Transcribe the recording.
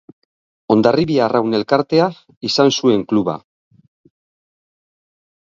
Hondarribia Arraun Elkartea izan zuen kluba.